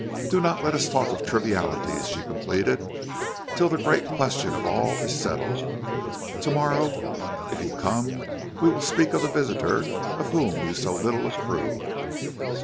"Do not let us talk of trivialities," she completed, "till the great question of all is settled. To morrow, if you come, we will speak of this visitor of whom you so little approve."